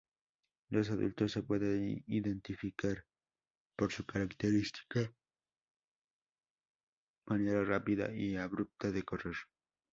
Los adultos se pueden identificar por su característica manera rápida y abrupta de correr.